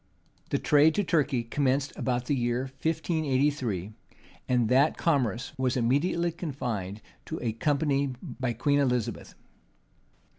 The trade to Turkey commenced about the year 1583; and that commerce was immediately confined to a company by Queen Elizabeth.